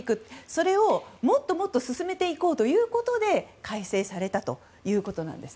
それをもっと進めていこうということで改正されたということなんです。